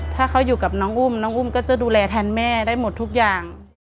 ถ้าเขาอยู่กับน้องอุ้มน้องอุ้มก็จะดูแลแทนแม่ได้หมดทุกอย่าง